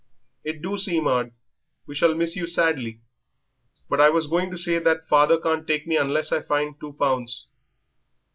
"It do seem 'ard. We shall miss you sadly. But I was going to say that father can't take me unless I finds two pounds.